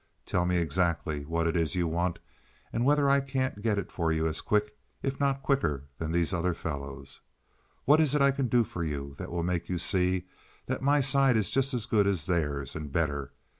Tell me exactly what it is you want and whether I can't get it for you as quick if not quicker than these other fellows? What is it I can do for you that will make you see that my side is just as good as theirs and better?